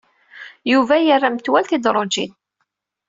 Yuba yerra metwal tidrujin.